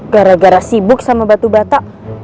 gara gara sibuk sama batu batak